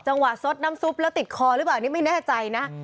จังหวะซดน้ำซุปแล้วติดคอหรือเปล่านี่ไม่แน่ใจนะ